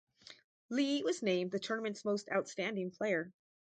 Lee was named the tournament's most outstanding player.